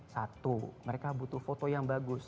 satu mereka butuh foto yang bagus